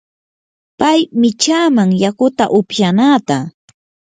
pay michaaman yakuta upyanaata.